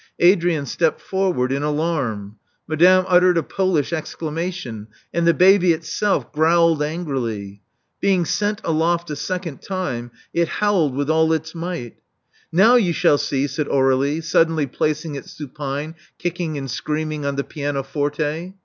Adrian stepped forward in alarm; Madame uttered a Polish exclamation; and the baby itself growled angrily. Being sent aloft a second time, it howled with all its might. Now you shall see,'* said Aur^lie, suddenly placing it, supine, kicking and screaming, on the pianoforte.